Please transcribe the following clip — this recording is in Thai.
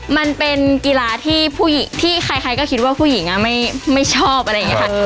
มันเป็นกีฬาที่ใครก็คิดว่าผู้หญิงไม่ชอบอะไรอย่างนี้ค่ะ